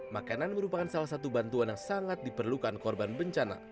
makanan merupakan salah satu bantuan yang sangat diperlukan korban bencana